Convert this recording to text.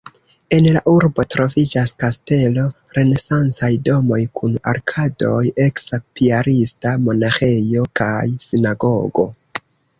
En la urbo troviĝas kastelo, renesancaj domoj kun arkadoj, eksa piarista monaĥejo kaj sinagogo.